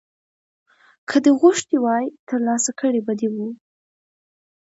که دې غوښتي وای ترلاسه کړي به دې وو